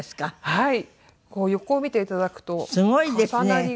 はい。